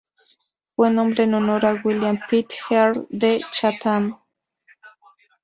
Fue nombrado en honor a William Pitt, Earl de Chatham.